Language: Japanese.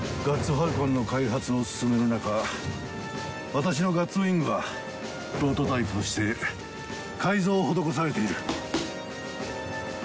ファルコンの開発を進めるなか私のガッツウイングはプロトタイプとして改造を施されている。